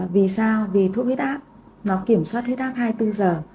vì sao vì thuốc huyết áp nó kiểm soát huyết áp hai mươi bốn giờ